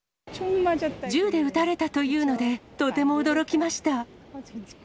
銃で撃たれたというので、とても驚きました。